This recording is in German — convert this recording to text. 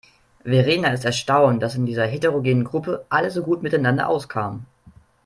Verena ist erstaunt, dass in dieser heterogenen Gruppe alle so gut miteinander auskamen.